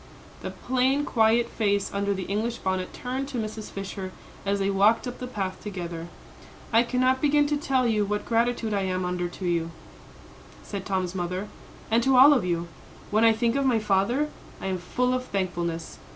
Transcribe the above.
The plain, quiet face under the English bonnet turned to Mrs. Fisher as they walked up the path together. "I cannot begin to tell you what gratitude I am under to you," said Tom's mother, "and to all of you. When I think of my father, I am full of thankfulness.